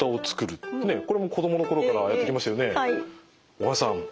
小川さん